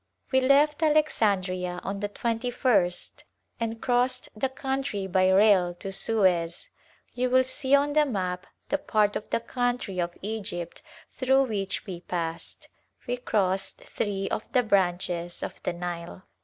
We left Alexandria on the twenty first and crossed the country by rail to Suez. You will see on the map the part of the country of Egypt through which we passed. We crossed three of the branches of the Nile.